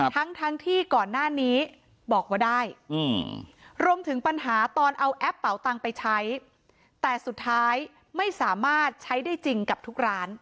ทั้งทั้งที่ก่อนหน้านี้บอกว่าได้รวมถึงปัญหาตอนเอาแอปเป่าตังไปใช้แต่สุดท้ายไม่สามารถใช้ได้จริงกับทุกร้าน